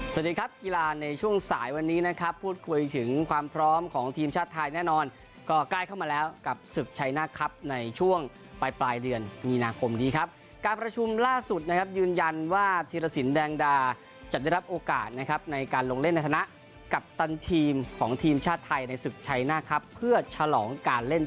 สวัสดีครับกีฬาในช่วงสายวันนี้นะครับพูดคุยถึงความพร้อมของทีมชาติไทยแน่นอนก็ใกล้เข้ามาแล้วกับศึกชัยหน้าครับในช่วงปลายปลายเดือนมีนาคมนี้ครับการประชุมล่าสุดนะครับยืนยันว่าธีรสินแดงดาจะได้รับโอกาสนะครับในการลงเล่นในฐานะกัปตันทีมของทีมชาติไทยในศึกชัยหน้าครับเพื่อฉลองการเล่น